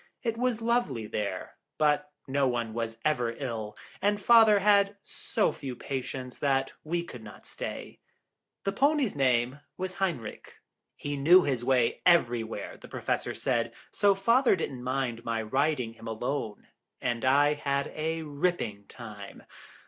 It was lovely there, but no one was ever ill, and Father had so few patients that we could not stay. The pony's name was Heinrich. He knew his way everywhere, the Professor said, so Father didn't mind my riding him alone, and I had a ripping time.